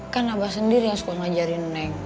kan abah sendiri yang suka ngajarin neng